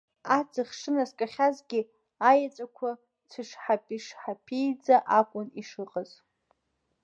Аҵх шынаскьахьазгьы, аеҵәақәа цәышҳаби-цәышҳабиӡа акәын ишыҟаз.